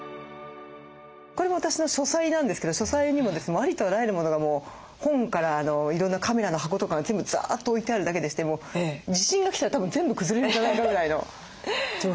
これは私の書斎なんですけど書斎にもありとあらゆるモノがもう本からいろんなカメラの箱とかが全部ザーッと置いてあるだけでして地震が来たらたぶん全部崩れるんじゃないかぐらいの状況でした。